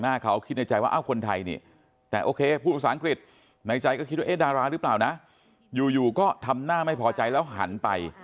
ในใจก็คิดว่าเอ๊ะดาราหรือเปล่านะอยู่ก็ทำหน้าไม่พอใจแล้วหันไป